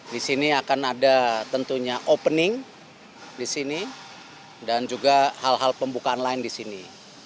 di sini akan ada tentunya opening di sini dan juga hal hal pembukaan lain di sini